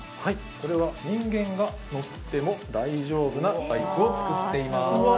これは人間が乗っても大丈夫なバイクを作っています。